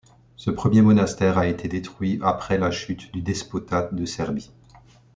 Ce premier monastère a été détruit après la chute du Despotat de Serbie.